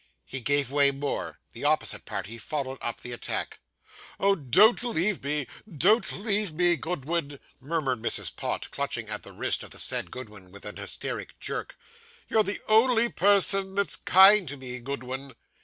He gave way more. The opposite party followed up the attack. 'Oh, don't leave me don't leave me, Goodwin,' murmured Mrs. Pott, clutching at the wrist of the said Goodwin with an hysteric jerk. 'You're the only person that's kind to me, Goodwin.